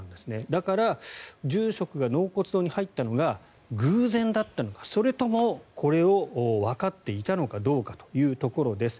だから住職が納骨堂に入ったのが偶然だったのかそれともこれをわかっていたのかどうかというところです。